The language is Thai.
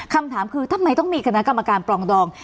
คำถามคือทำไมต้องมีคณะกรรมการปรองดอง